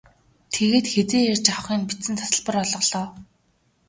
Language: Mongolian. Тэгээд хэзээ ирж авахы нь бичсэн тасалбар олголоо.